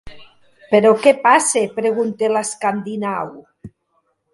Però, què passa? —pregunta l'escandinau.